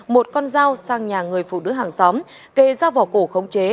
một con dao sang nhà người phụ nữ hàng xóm kề dao vỏ cổ khống chế